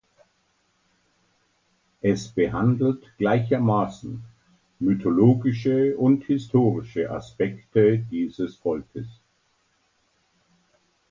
Es behandelt gleichermaßen mythologische und historische Aspekte dieses Volkes.